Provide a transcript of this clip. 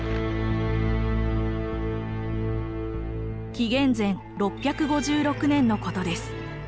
紀元前６５６年のことです。